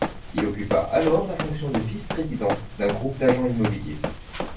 Il occupa alors la fonction de vice-président d'un groupe d'agents immobiliers.